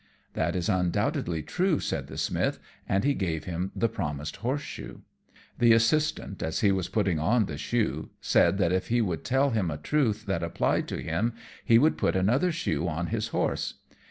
"That is undoubtedly true," said the Smith; and he gave him the promised horseshoe. The assistant, as he was putting on the shoe, said that if he would tell him a truth that applied to him, he would put another shoe on his horse.